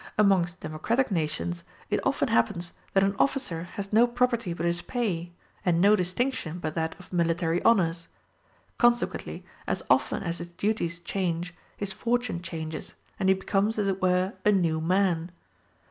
Amongst democratic nations it often happens that an officer has no property but his pay, and no distinction but that of military honors: consequently as often as his duties change, his fortune changes, and he becomes, as it were, a new man.